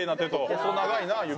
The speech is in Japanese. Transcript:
細長いな指。